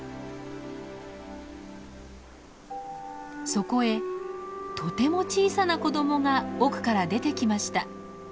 そこへとても小さな子どもが奥から出てきました。